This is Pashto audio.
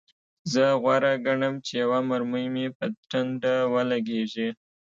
زه غوره ګڼم چې یوه مرمۍ مې په ټنډه ولګیږي